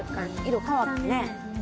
色変わったね。